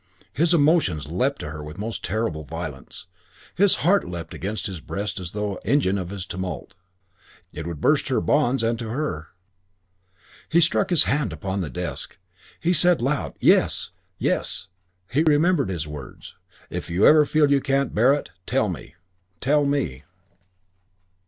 _" His emotions leapt to her with most terrible violence. He felt his heart leap against his breast as though, engine of his tumult, it would burst its bonds and to her. He struck his hand upon the desk. He said aloud, "Yes! Yes!" He remembered his words, "If ever you feel you can't bear it, tell me. Tell me."